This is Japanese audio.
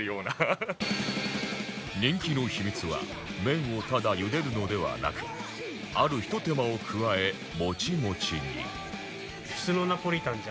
人気の秘密は麺をただゆでるのではなくあるひと手間を加えモチモチに